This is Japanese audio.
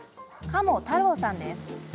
加茂太郎さんです。